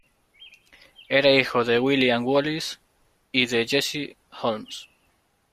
Era hijo de William Wallis y de Jessie Holmes.